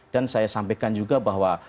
dan saya sampaikan juga bahwa